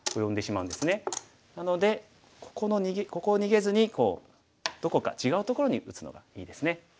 なのでここを逃げずにどこか違うところに打つのがいいですね。